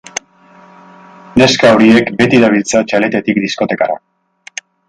Neska horiek beti dabiltza txaletetik diskotekara.